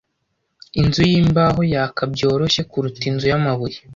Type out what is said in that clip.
Inzu yimbaho yaka byoroshye kuruta inzu yamabuye.